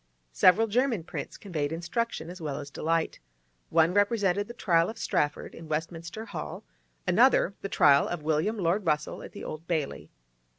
Several German prints conveyed instruction as well as delight; one represented the trial of Strafford in Westminster Hall; another, the trial of William Lord Russell, at the Old Bailey.